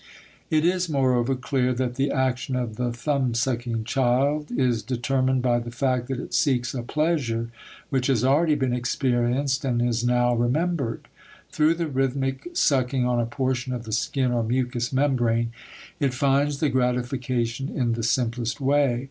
It is, moreover, clear that the action of the thumbsucking child is determined by the fact that it seeks a pleasure which has already been experienced and is now remembered. Through the rhythmic sucking on a portion of the skin or mucous membrane it finds the gratification in the simplest way.